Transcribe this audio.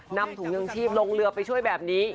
นำถุงยังชีพลงเรือไปช่วยแบบนี้